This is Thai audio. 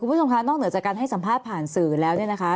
คุณผู้ชมค่ะนอกเหนือจากการให้สัมภาษณ์ผ่านสื่อแล้วเนี่ยนะคะ